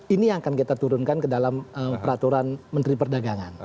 ini yang akan kita turunkan ke dalam peraturan menteri perdagangan